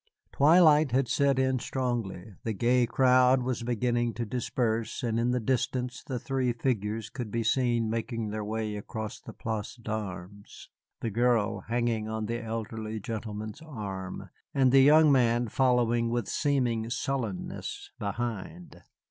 Twilight had set in strongly, the gay crowd was beginning to disperse, and in the distance the three figures could be seen making their way across the Place d'Armes, the girl hanging on the elderly gentleman's arm, and the young man following with seeming sullenness behind.